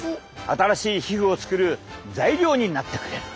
新しい皮膚を作る材料になってくれる。